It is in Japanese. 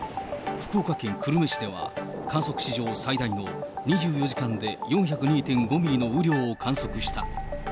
福岡県久留米市では、観測史上最大の２４時間で４０２．５ミリの雨量を観測した。